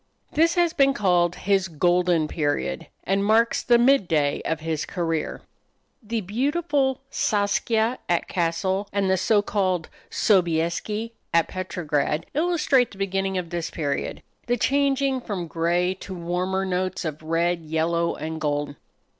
This has been called his "golden period," and marks the midday of his career. The beautiful "Saskia," at Cassel, and the so called "Sobieski," at Petrograd, illustrate the beginning of this period the changing from gray to warmer notes of red, yellow, and gold.